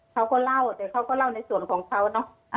เขาก็เล่าแต่เขาก็เล่าในส่วนของเขาเนอะ